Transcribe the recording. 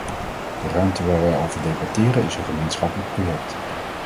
De ruimte waar wij over debatteren is een gemeenschappelijk project.